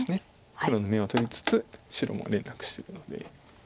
黒の眼を取りつつ白も連絡してるので。